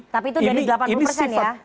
tapi itu dari delapan puluh persen ya